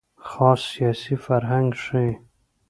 خاص سیاسي فرهنګ ښيي.